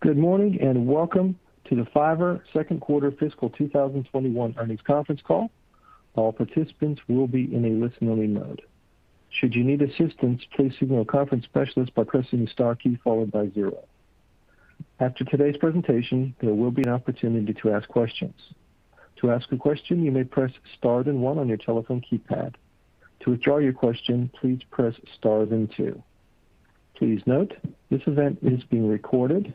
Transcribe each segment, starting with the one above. Good morning, and welcome to the Fiverr second quarter fiscal 2021 earnings conference call. All participants will be in a listen-only mode. Should you need assistance, please signal a conference specialist by pressing the star key followed by 0. After today's presentation, there will be an opportunity to ask questions. To ask a question, you may press star then 1 on your telephone keypad. To withdraw your question, please press star then 2. Please note, this event is being recorded.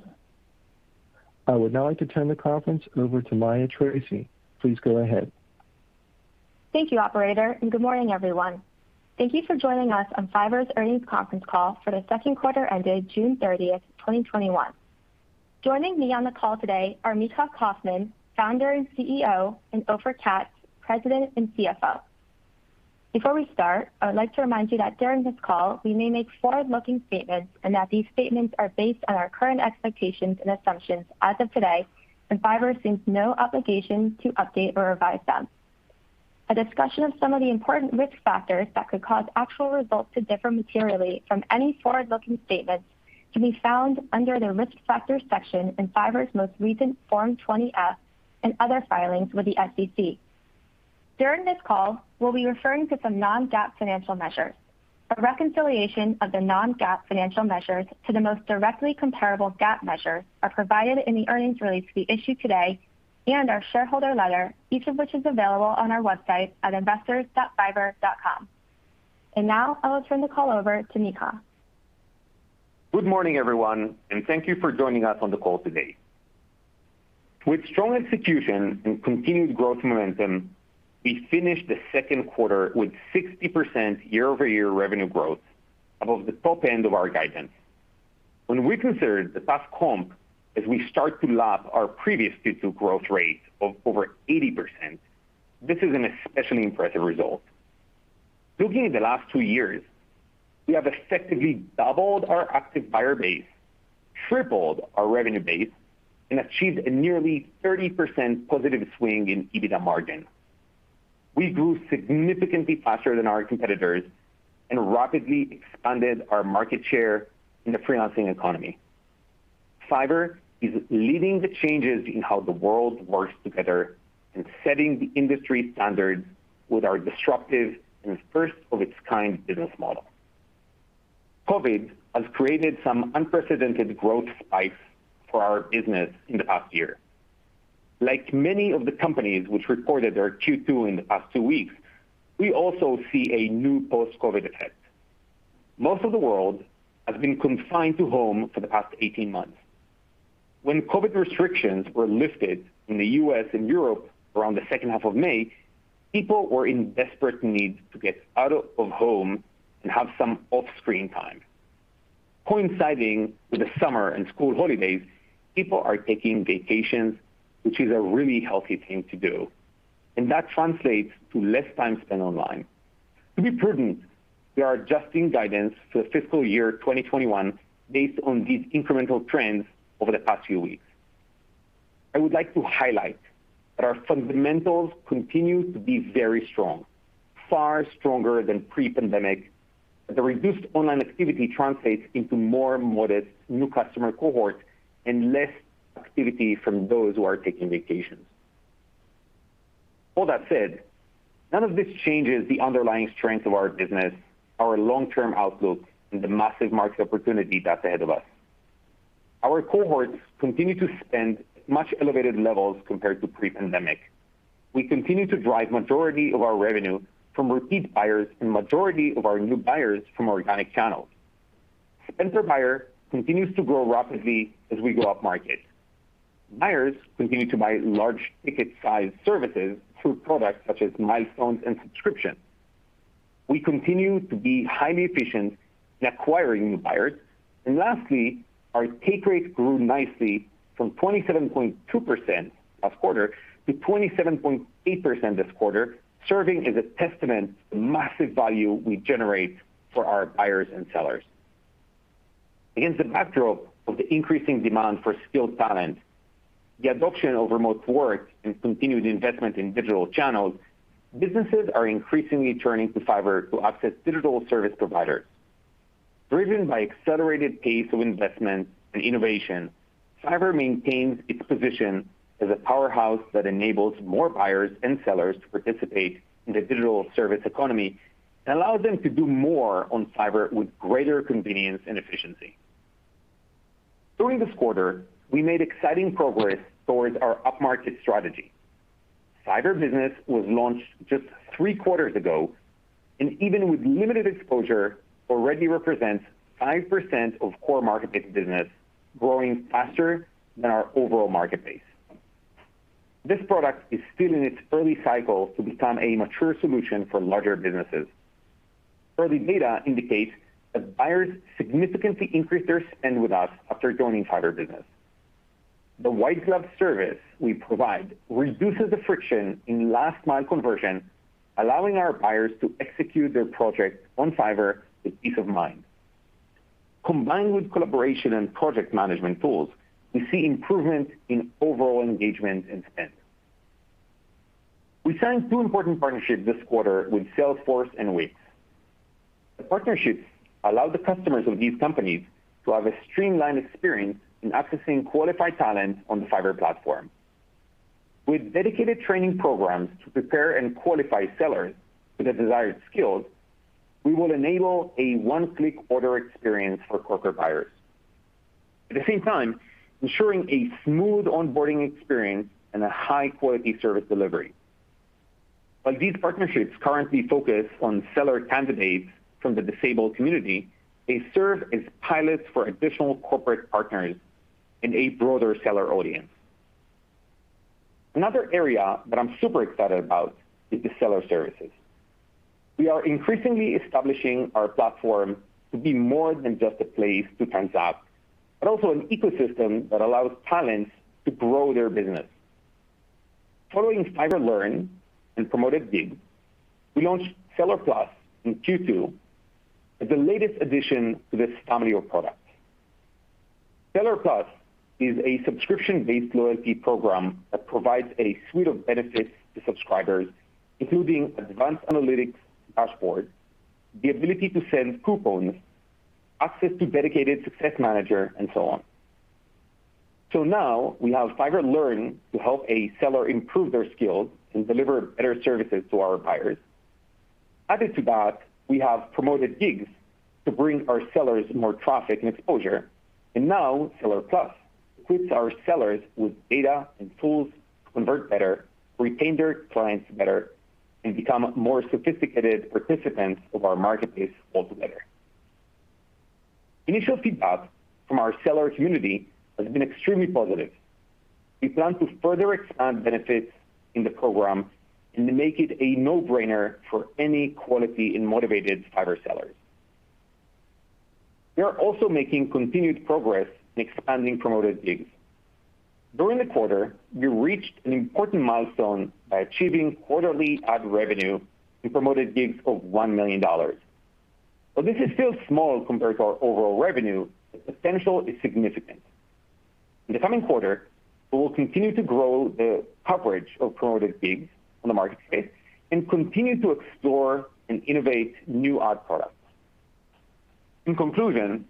I would now like to turn the conference over to Maya Tracey. Please go ahead. Thank you, operator. Good morning, everyone. Thank you for joining us on Fiverr's earnings conference call for the second quarter ended June 30th, 2021. Joining me on the call today are Micha Kaufman, Founder and CEO, and Ofer Katz, President and CFO. Before we start, I would like to remind you that during this call, we may make forward-looking statements and that these statements are based on our current expectations and assumptions as of today, and Fiverr assumes no obligation to update or revise them. A discussion of some of the important risk factors that could cause actual results to differ materially from any forward-looking statements can be found under the Risk Factors section in Fiverr's most recent Form 20-F and other filings with the SEC. During this call, we'll be referring to some non-GAAP financial measures. A reconciliation of the non-GAAP financial measures to the most directly comparable GAAP measures are provided in the earnings release we issued today and our shareholder letter, each of which is available on our website at investors.fiverr.com. Now I will turn the call over to Micha. Good morning, everyone, and thank thank you for joining us on the call today. With strong execution and continued growth momentum, we finished the second quarter with 60% year-over-year revenue growth above the top end of our guidance. We consider the past comp as we start to lap our previous Q2 growth rate of over 80%, this is an especially impressive result. Looking at the last two years, we have effectively doubled our active buyer base, tripled our revenue base, and achieved a nearly 30% positive swing in EBITDA margin. We grew significantly faster than our competitors and rapidly expanded our market share in the freelancing economy. Fiverr is leading the changes in how the world works together and setting the industry standard with our disruptive and first-of-its-kind business model. COVID has created some unprecedented growth spikes for our business in the past year. Like many of the companies which reported their Q2 in the past two weeks, we also see a new post-COVID effect. Most of the world has been confined to home for the past 18 months. When COVID restrictions were lifted in the U.S. and Europe around the second half of May, people were in desperate need to get out of home and have some off-screen time. Coinciding with the summer and school holidays, people are taking vacations, which is a really healthy thing to do, and that translates to less time spent online. To be prudent, we are adjusting guidance for fiscal year 2021 based on these incremental trends over the past few weeks. I would like to highlight that our fundamentals continue to be very strong, far stronger than pre-pandemic. The reduced online activity translates into more modest new customer cohort and less activity from those who are taking vacations. All that said, none of this changes the underlying strength of our business, our long-term outlook, and the massive market opportunity that's ahead of us. Our cohorts continue to spend much elevated levels compared to pre-pandemic. We continue to drive majority of our revenue from repeat buyers and majority of our new buyers from organic channels. Spend per buyer continues to grow rapidly as we go upmarket. Buyers continue to buy large ticket size services through products such as Milestones and Subscriptions. We continue to be highly efficient in acquiring new buyers. Lastly, our take rate grew nicely from 27.2% last quarter to 27.8% this quarter, serving as a testament to the massive value we generate for our buyers and sellers. Against the backdrop of the increasing demand for skilled talent, the adoption of remote work, and continued investment in digital channels, businesses are increasingly turning to Fiverr to access digital service providers. Driven by accelerated pace of investment and innovation, Fiverr maintains its position as a powerhouse that enables more buyers and sellers to participate in the digital service economy and allows them to do more on Fiverr with greater convenience and efficiency. During this quarter, we made exciting progress towards our upmarket strategy. Fiverr Business was launched just three quarters ago, and even with limited exposure, already represents 5% of core marketplace business, growing faster than our overall marketplace. This product is still in its early cycle to become a mature solution for larger businesses. Early data indicates that buyers significantly increase their spend with us after joining Fiverr Business. The white glove service we provide reduces the friction in last mile conversion, allowing our buyers to execute their projects on Fiverr with peace of mind. Combined with collaboration and project management tools, we see improvement in overall engagement and spend. We signed two important partnerships this quarter with Salesforce and Wix. The partnerships allow the customers of these companies to have a streamlined experience in accessing qualified talent on the Fiverr platform. With dedicated training programs to prepare and qualify sellers with the desired skills, we will enable a one-click order experience for corporate buyers. At the same time, ensuring a smooth onboarding experience and a high-quality service delivery. While these partnerships currently focus on seller candidates from the disabled community, they serve as pilots for additional corporate partners in a broader seller audience. Another area that I'm super excited about is the seller services. We are increasingly establishing our platform to be more than just a place to transact, but also an ecosystem that allows talents to grow their business. Following Fiverr Learn and Promoted Gigs, we launched Seller Plus in Q2 as the latest addition to this family of products. Seller Plus is a subscription-based loyalty program that provides a suite of benefits to subscribers, including advanced analytics dashboard, the ability to send coupons, access to dedicated success manager, and so on. Now we have Fiverr Learn to help a seller improve their skills and deliver better services to our buyers. Added to that, we have Promoted Gigs to bring our sellers more traffic and exposure. Now Seller Plus equips our sellers with data and tools to convert better, retain their clients better, and become more sophisticated participants of our marketplace altogether. Initial feedback from our seller community has been extremely positive. We plan to further expand benefits in the program and make it a no-brainer for any quality and motivated Fiverr sellers. We are also making continued progress in expanding Promoted Gigs. During the quarter, we reached an important milestone by achieving quarterly ad revenue in Promoted Gigs of $1 million. While this is still small compared to our overall revenue, the potential is significant. In the coming quarter, we will continue to grow the coverage of Promoted Gigs on the marketplace and continue to explore and innovate new ad products. In conclusion,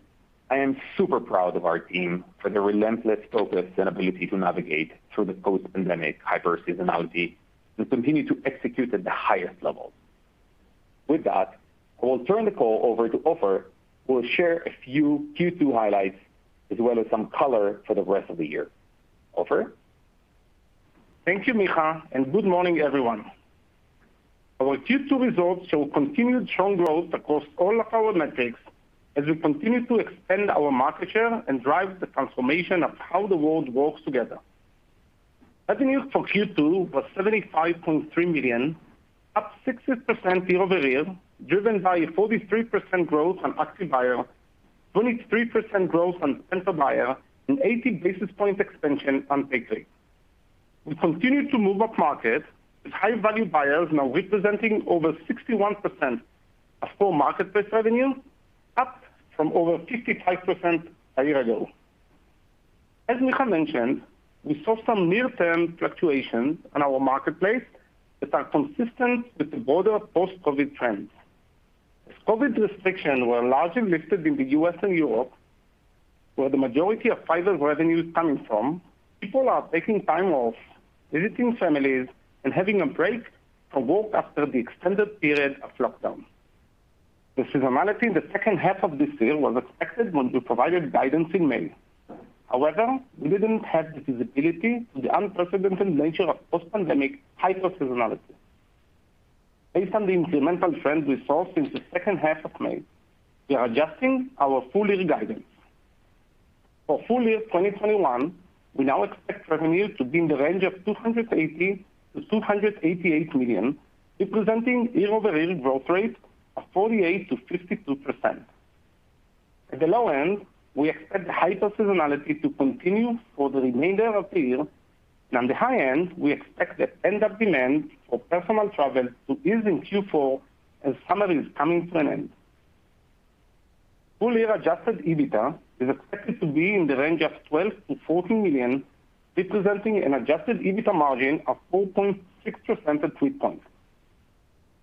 I am super proud of our team for their relentless focus and ability to navigate through the post-pandemic hyper seasonality and continue to execute at the highest level. With that, I will turn the call over to Ofer, who will share a few Q2 highlights as well as some color for the rest of the year. Ofer? Thank you, Micha, and good morning, everyone. Our Q2 results show continued strong growth across all of our metrics as we continue to expand our market share and drive the transformation of how the world works together. Revenue for Q2 was $75.3 million, up 60% year-over-year, driven by a 43% growth on active buyer, 23% growth on spend per buyer, and 80 basis point expansion on take rate. We continue to move upmarket, with high-value buyers now representing over 61% of total marketplace revenue, up from over 55% a year ago. As Micha mentioned, we saw some near-term fluctuations on our marketplace that are consistent with the broader post-COVID trends. As COVID restrictions were largely lifted in the U.S. and Europe, where the majority of Fiverr revenue is coming from, people are taking time off, visiting families, and having a break from work after the extended period of lockdown. The seasonality in the second half of this year was expected when we provided guidance in May. However, we didn't have the visibility to the unprecedented nature of post-pandemic hyper seasonality. Based on the incremental trend we saw since the second half of May, we are adjusting our full-year guidance. For full year 2021, we now expect revenue to be in the range of $280 million-$288 million, representing year-over-year growth rate of 48%-52%. At the low end, we expect the hyper seasonality to continue for the remainder of the year, and on the high end, we expect the pent-up demand for personal travel to ease in Q4 as summer is coming to an end. Full-year adjusted EBITDA is expected to be in the range of $12 million-$14 million, representing an adjusted EBITDA margin of 4.6% to three points.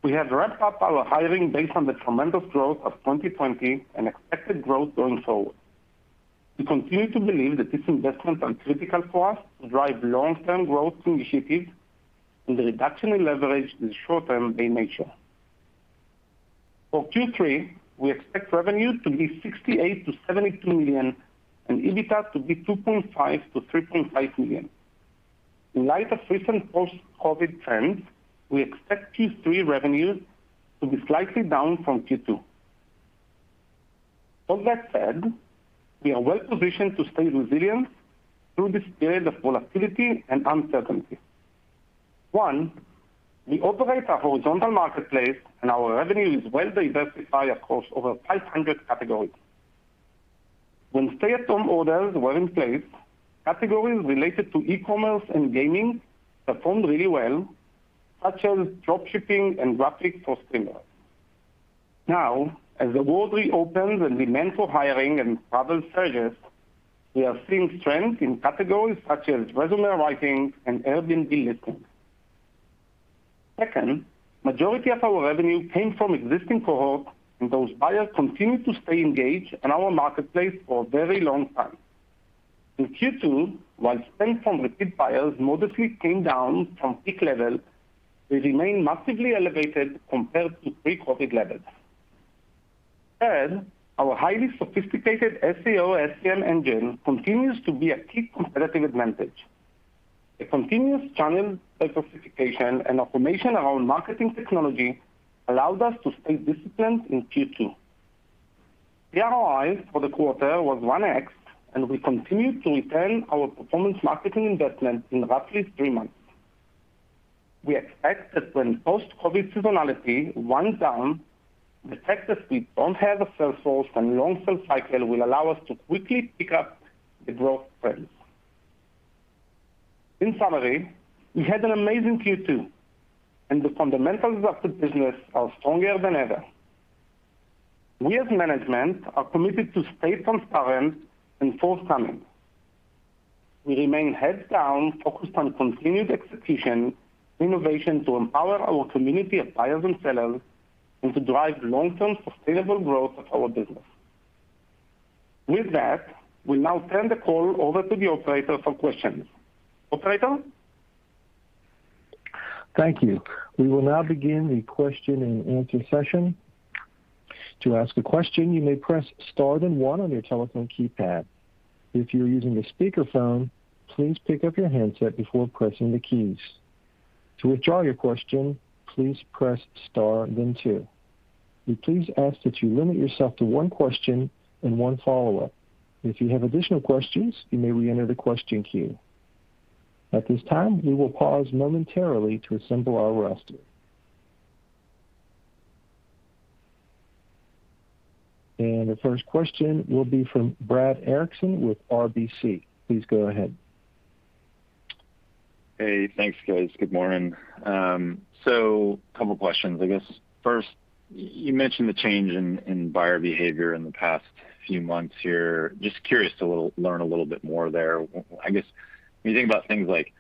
We have ramped up our hiring based on the tremendous growth of 2020 and expected growth going forward. We continue to believe that these investments are critical for us to drive long-term growth initiatives, and the reduction in leverage is short-term in nature. For Q3, we expect revenue to be $68 million-$72 million and EBITDA to be $2.5 million-$3.5 million. In light of recent post-COVID trends, we expect Q3 revenue to be slightly down from Q2. All that said, we are well positioned to stay resilient through this period of volatility and uncertainty. One, we operate a horizontal marketplace and our revenue is well diversified across over 500 categories. When stay-at-home orders were in place, categories related to e-commerce and gaming performed really well, such as dropshipping and graphics for printers. Now, as the world reopens and demand for hiring and travel surges, we are seeing strength in categories such as resume writing and Airbnb listings. Second, majority of our revenue came from existing cohorts, and those buyers continued to stay engaged in our marketplace for a very long time. In Q2, while spend from repeat buyers modestly came down from peak level, we remain massively elevated compared to pre-COVID levels. Third, our highly sophisticated SEO/SEM engine continues to be a key competitive advantage. A continuous channel diversification and automation around marketing technology allowed us to stay disciplined in Q2. ROI for the quarter was 1x, and we continued to return our performance marketing investment in roughly three months. We expect that when post-COVID seasonality winds down, the fact that we don't have a sales force and long sales cycle will allow us to quickly pick up the growth trends. In summary, we had an amazing Q2, and the fundamentals of the business are stronger than ever. We as management are committed to stay transparent and forthcoming. We remain heads down focused on continued execution, innovation to empower our community of buyers and sellers, and to drive long-term sustainable growth of our business. With that, we'll now turn the call over to the operator for questions. Operator? Thank you. We will now begin the question and answer session. To ask a question, you may press star then 1 on your telephone keypad. If you're using a speakerphone, please pick up your handset before pressing the keys. To withdraw your question, please press star then 2. We please ask that you limit yourself to 1 question and 1 follow-up. If you have additional questions, you may reenter the question queue. At this time, we will pause momentarily to assemble our roster. The first question will be from Brad Erickson with RBC. Please go ahead. Hey, thanks, guys. Good morning. Couple questions. I guess first, you mentioned the change in buyer behavior in the past few months here. Just curious to learn a little bit more there. I guess when you think about things like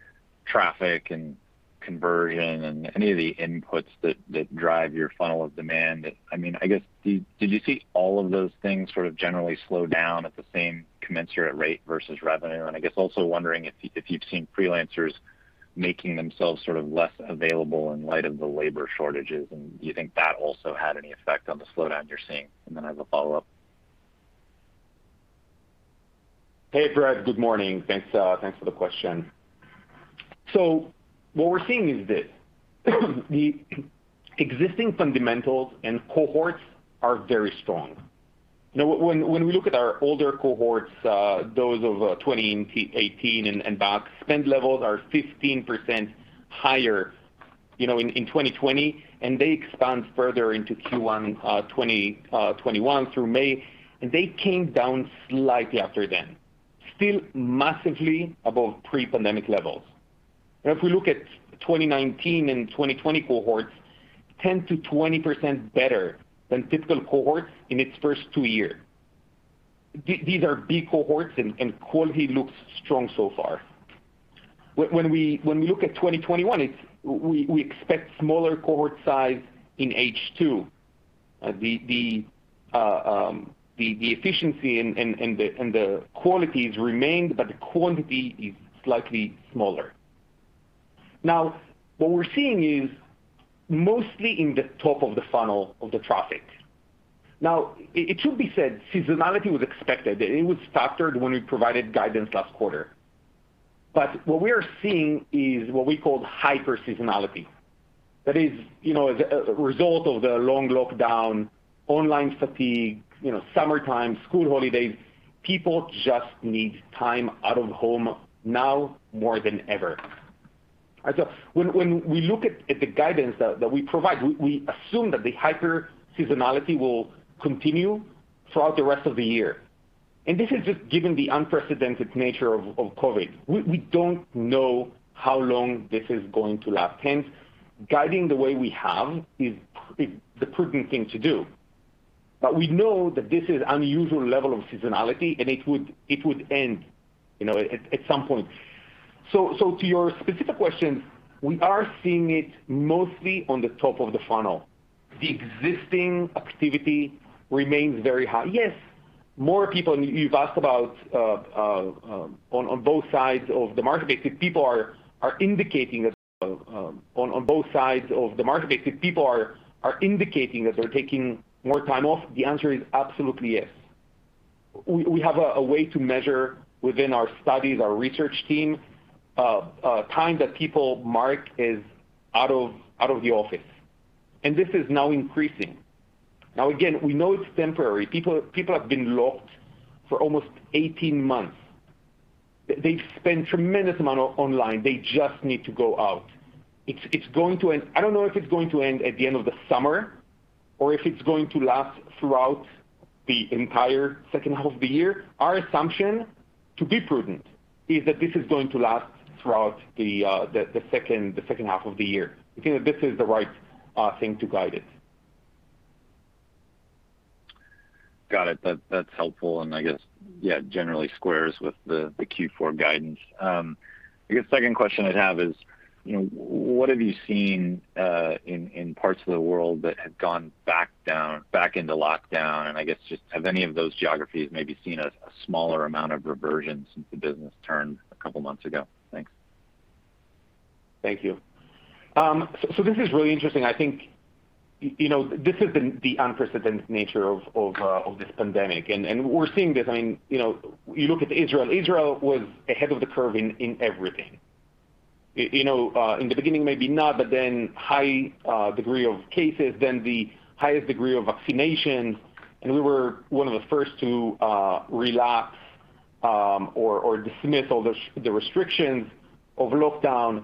traffic and conversion and any of the inputs that drive your funnel of demand, I guess, did you see all of those things sort of generally slow down at the same commensurate rate versus revenue? I guess also wondering if you've seen freelancers making themselves sort of less available in light of the labor shortages, and do you think that also had any effect on the slowdown you're seeing? Then I have a follow-up. Hey, Brad. Good morning. Thanks for the question. What we're seeing is this. The existing fundamentals and cohorts are very strong. When we look at our older cohorts, those of 2018 and back, spend levels are 15% higher in 2020, and they expand further into Q1 2021 through May. They came down slightly after then, still massively above pre-pandemic levels. If we look at 2019 and 2020 cohorts, 10%-20% better than typical cohorts in their first 2 years. These are big cohorts, and quality looks strong so far. When we look at 2021, we expect smaller cohort size in H2. The efficiency and the quality has remained, but the quantity is slightly smaller. What we're seeing is mostly in the top of the funnel of the traffic. It should be said, seasonality was expected. It was factored when we provided guidance last quarter. What we are seeing is what we call hyper-seasonality. That is, as a result of the long lockdown, online fatigue, summertime, school holidays, people just need time out of home now more than ever. When we look at the guidance that we provide, we assume that the hyper-seasonality will continue throughout the rest of the year. This is just given the unprecedented nature of COVID. We don't know how long this is going to last. Hence, guiding the way we have is the prudent thing to do. We know that this is unusual level of seasonality, and it would end at some point. To your specific question, we are seeing it mostly on the top of the funnel. The existing activity remains very high. Yes, more people. You've asked about on both sides of the marketplace, if people are indicating that they're taking more time off, the answer is absolutely yes. We have a way to measure within our studies, our research team, time that people mark as out of the office. This is now increasing. Now, again, we know it's temporary. People have been locked for almost 18 months. They've spent tremendous amount online. They just need to go out. I don't know if it's going to end at the end of the summer or if it's going to last throughout the entire second half of the year. Our assumption To be prudent is that this is going to last throughout the second half of the year. We think that this is the right thing to guide it. Got it. That's helpful and I guess, yeah, generally squares with the Q4 guidance. I guess second question I'd have is, what have you seen in parts of the world that have gone back into lockdown? I guess just have any of those geographies maybe seen a smaller amount of reversion since the business turned 2 months ago? Thanks. Thank you. This is really interesting. I think this has been the unprecedented nature of this pandemic. We're seeing this, you look at Israel. Israel was ahead of the curve in everything. In the beginning, maybe not, but then high degree of cases, then the highest degree of vaccination, we were one of the first to relapse or dismiss all the restrictions of lockdown.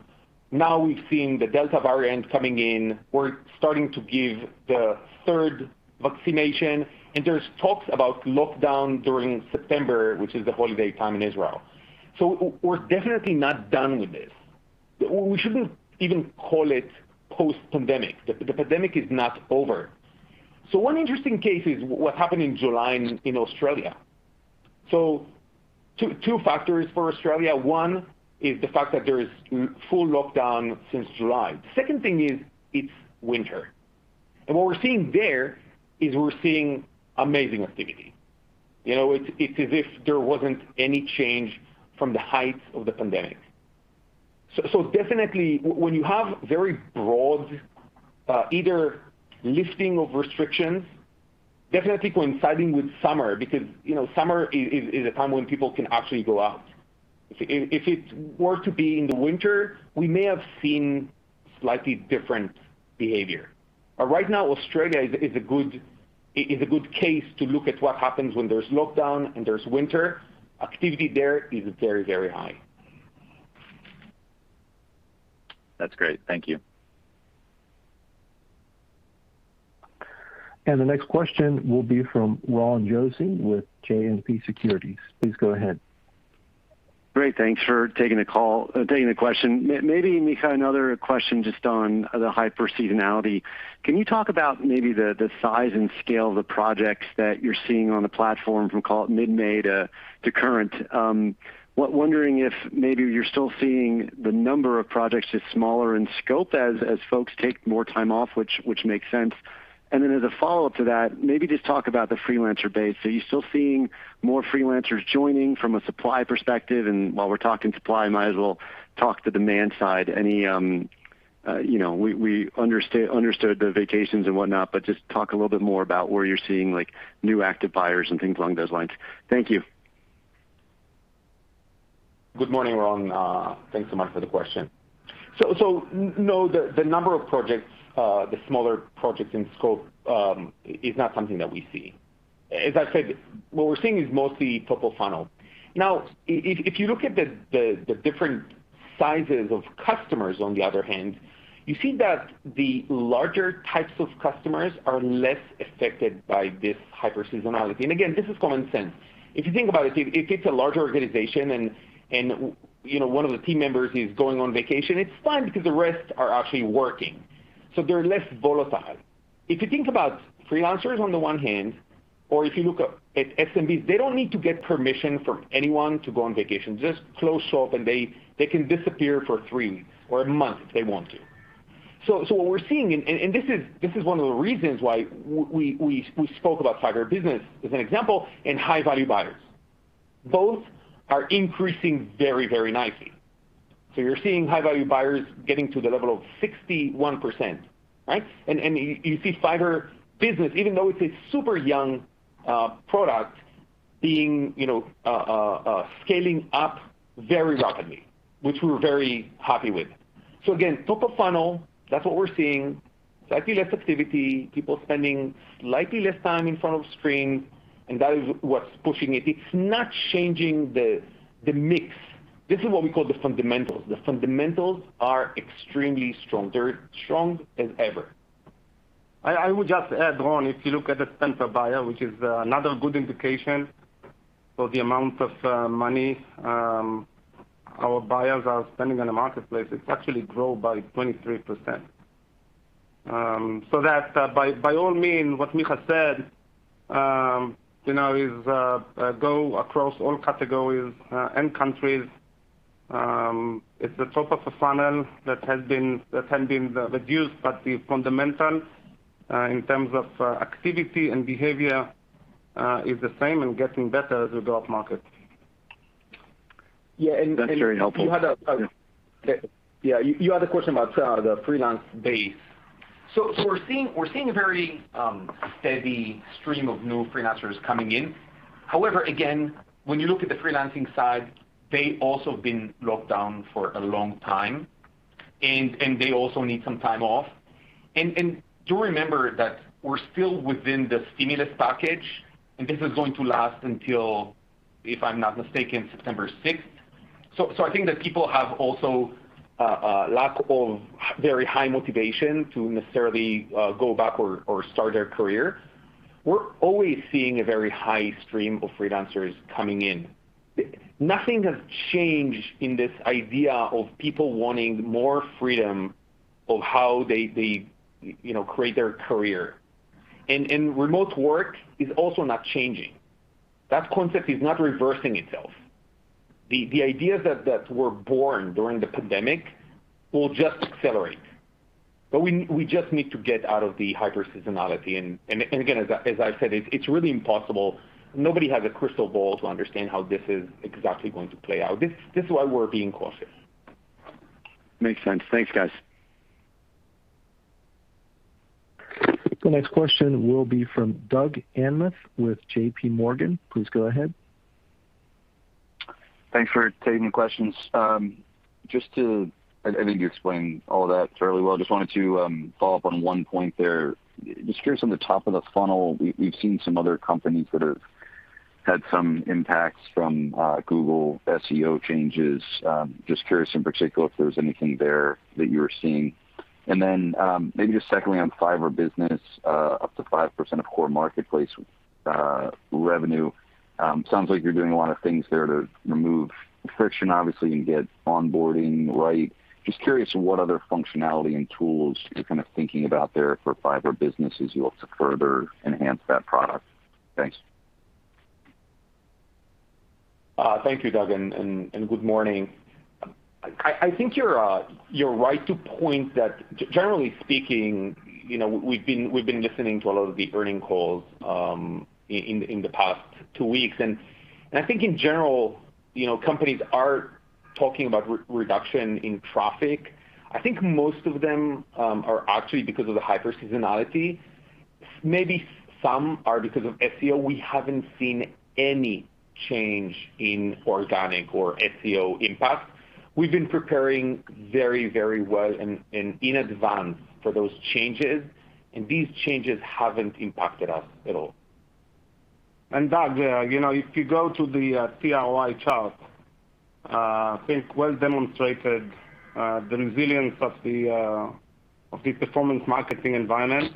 Now we've seen the Delta variant coming in. We're starting to give the third vaccination, there's talks about lockdown during September, which is the holiday time in Israel. We're definitely not done with this. We shouldn't even call it post-pandemic. The pandemic is not over. One interesting case is what happened in July in Australia. Two factors for Australia. One is the fact that there is full lockdown since July. The second thing is it's winter. What we're seeing there is we're seeing amazing activity. It's as if there wasn't any change from the heights of the pandemic. Definitely when you have very broad either lifting of restrictions, definitely coinciding with summer, because summer is a time when people can actually go out. If it were to be in the winter, we may have seen slightly different behavior. Right now, Australia is a good case to look at what happens when there's lockdown and there's winter. Activity there is very, very high. That's great. Thank you. The next question will be from Ronald Josey with JMP Securities. Please go ahead. Great. Thanks for taking the question. Maybe, Micha, another question just on the hyper seasonality. Can you talk about maybe the size and scale of the projects that you're seeing on the platform from, call it, mid-May to current? Wondering if maybe you're still seeing the number of projects just smaller in scope as folks take more time off, which makes sense. Then as a follow-up to that, maybe just talk about the freelancer base. Are you still seeing more freelancers joining from a supply perspective? While we're talking supply, might as well talk the demand side. We understood the vacations and whatnot. Just talk a little bit more about where you're seeing new active buyers and things along those lines. Thank you. Good morning, Ron. Thanks so much for the question. No, the number of projects, the smaller projects in scope, is not something that we see. If you look at the different sizes of customers, on the other hand, you see that the larger types of customers are less affected by this hyper seasonality. Again, this is common sense. If you think about it, if it's a larger organization and one of the team members is going on vacation, it's fine because the rest are actually working, so they're less volatile. If you think about freelancers on the one hand, or if you look at SMBs, they don't need to get permission from anyone to go on vacation. Just close shop and they can disappear for three weeks or one month if they want to. What we're seeing, and this is one of the reasons why we spoke about Fiverr Business as an example in high-value buyers. Both are increasing very, very nicely. You're seeing high-value buyers getting to the level of 61%, right? You see Fiverr Business, even though it's a super young product, scaling up very rapidly, which we're very happy with. Again, top of funnel, that's what we're seeing. Slightly less activity, people spending slightly less time in front of screens, and that is what's pushing it. It's not changing the mix. This is what we call the fundamentals. The fundamentals are extremely strong. They're strong as ever. I would just add, Ron, if you look at the spend per buyer, which is another good indication of the amount of money our buyers are spending on the marketplace, it's actually grown by 23%. That by all means, what Micha said, is go across all categories and countries. It's the top of the funnel that has been reduced, but the fundamentals in terms of activity and behavior is the same and getting better as we go off market. Yeah, and- That's very helpful. You had a question about the freelance base. We're seeing a very steady stream of new freelancers coming in. However, again, when you look at the freelancing side, they also have been locked down for a long time, and they also need some time off. Do remember that we're still within the stimulus package, and this is going to last until, if I'm not mistaken, September 6th. I think that people have also a lack of very high motivation to necessarily go back or start their career. We're always seeing a very high stream of freelancers coming in. Nothing has changed in this idea of people wanting more freedom of how they create their career. Remote work is also not changing. That concept is not reversing itself. The ideas that were born during the pandemic will just accelerate. We just need to get out of the hyper-seasonality. Again, as I've said, it's really impossible. Nobody has a crystal ball to understand how this is exactly going to play out. This is why we're being cautious. Makes sense. Thanks, guys. The next question will be from Doug Anmuth with J.P. Morgan. Please go ahead. Thanks for taking the questions. I think you explained all that fairly well. Just wanted to follow up on one point there. Just curious on the top of the funnel, we've seen some other companies that have had some impacts from Google SEO changes. Just curious in particular if there's anything there that you're seeing. Then maybe just secondly on Fiverr Business, up to 5% of core marketplace revenue. Sounds like you're doing a lot of things there to remove friction, obviously, and get onboarding right. Just curious what other functionality and tools you're thinking about there for Fiverr Business as you look to further enhance that product. Thanks. Thank you, Doug, and good morning. I think you're right to point that, generally speaking, we've been listening to a lot of the earnings calls in the past two weeks. I think in general, companies are talking about reduction in traffic. I think most of them are actually because of the hyper-seasonality. Maybe some are because of SEO. We haven't seen any change in organic or SEO impact. We've been preparing very well and in advance for those changes, and these changes haven't impacted us at all. Doug, if you go to the ROI chart, I think well demonstrated the resilience of the performance marketing environment,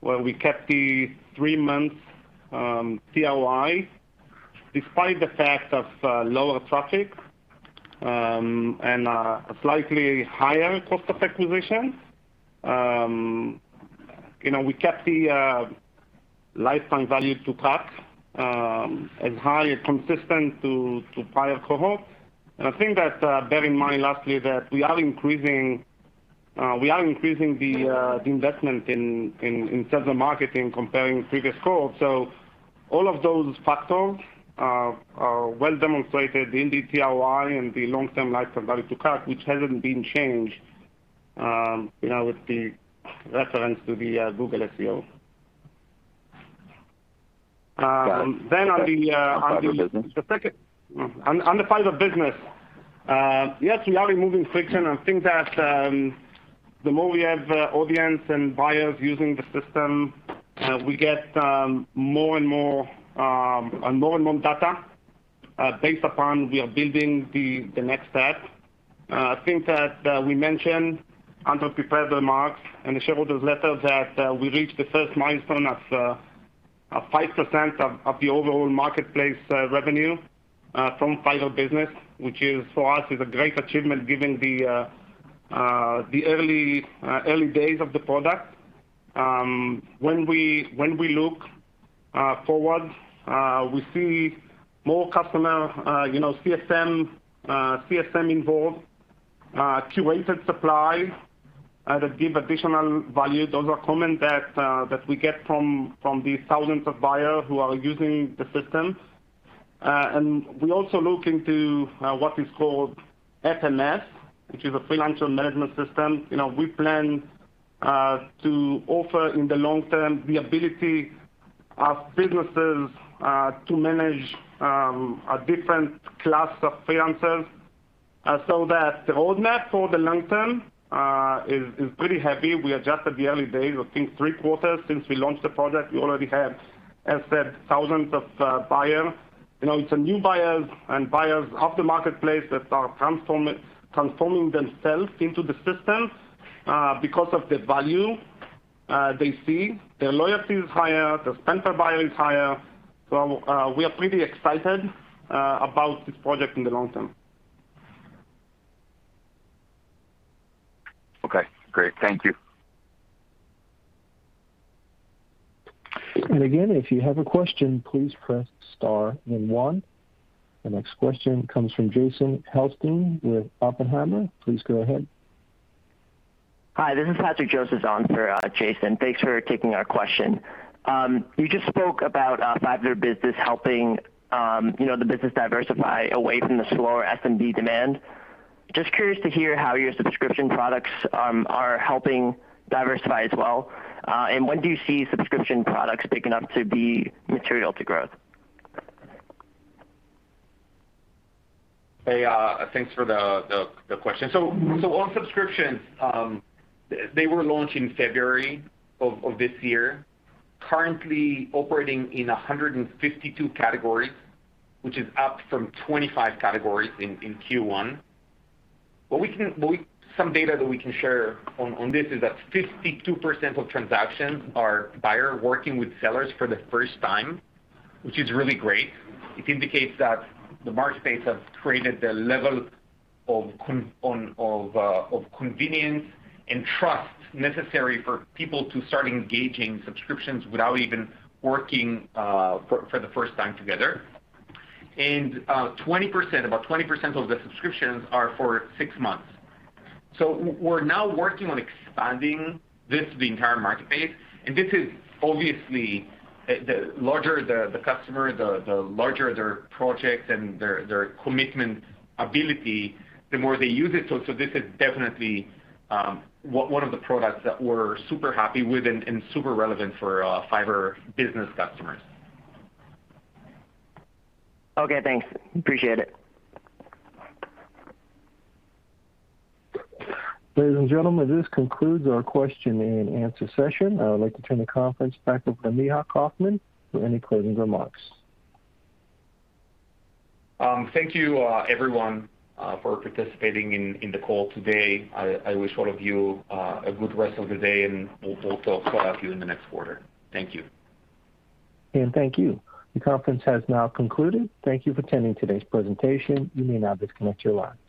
where we kept the three months ROI despite the fact of lower traffic and a slightly higher cost of acquisition. We kept the lifetime value to CAC as highly consistent to prior cohorts. I think that bearing in mind lastly, that we are increasing the investment in terms of marketing comparing previous calls. All of those factors are well demonstrated in the ROI and the long-term lifetime value to CAC, which hasn't been changed with the reference to the Google SEO. Got it. Then on the- On Fiverr Business. On the Fiverr Business, yes, we are removing friction. I think that the more we have audience and buyers using the system, we get more and more data based upon we are building the next step. I think that we mentioned on the prepared remarks and the shareholders letter that we reached the first milestone of 5% of the overall marketplace revenue from Fiverr Business, which for us is a great achievement given the early days of the product. When we look forward, we see more customer CSM involved, curated supply that give additional value. Those are comment that we get from the thousands of buyers who are using the system. We also look into what is called FMS, which is a freelancer management system. We plan to offer in the long term the ability of businesses to manage a different class of freelancers. That the roadmap for the long term is pretty heavy. We are just at the early days, I think three quarters since we launched the product. We already have, as said, thousands of buyers. It's new buyers and buyers of the marketplace that are transforming themselves into the system because of the value they see. Their loyalty is higher, their spend per buyer is higher. We are pretty excited about this project in the long term. Okay, great. Thank you. The next question comes from Jason Helfstein with Oppenheimer. Please go ahead. Hi, this is Patrick Joseph on for Jason. Thanks for taking our question. You just spoke about Fiverr Business helping the business diversify away from the slower SMB demand. Just curious to hear how your subscription products are helping diversify as well. When do you see subscription products big enough to be material to growth? Hey, thanks for the question. On Subscriptions, they were launched in February of this year. Currently operating in 152 categories, which is up from 25 categories in Q1. Some data that we can share on this is that 52% of transactions are buyer working with sellers for the first time, which is really great. It indicates that the marketplace has created the level of convenience and trust necessary for people to start engaging Subscriptions without even working for the first time together. About 20% of the Subscriptions are for six months. We're now working on expanding this, the entire marketplace. This is obviously the larger the customer, the larger their project and their commitment ability, the more they use it. This is definitely one of the products that we're super happy with and super relevant for Fiverr Business customers. Okay, thanks. Appreciate it. Ladies and gentlemen, this concludes our question and answer session. I would like to turn the conference back over to Micha Kaufman for any closing remarks. Thank you everyone for participating in the call today. I wish all of you a good rest of the day, and we'll talk to all of you in the next quarter. Thank you. Thank you. The conference has now concluded. Thank you for attending today's presentation. You may now disconnect your lines.